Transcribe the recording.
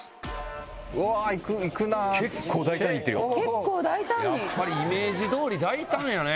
結構大胆にやっぱイメージどおり大胆やね